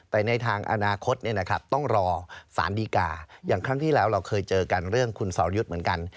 แต่ในทางอนาคตต้องรอสารดีกาอย่างครั้งที่แล้วเราเคยเจอกันเรื่องคุณสอรยุทธ์เหมือนกัน